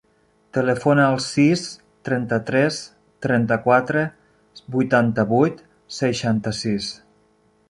Telefona al sis, trenta-tres, trenta-quatre, vuitanta-vuit, seixanta-sis.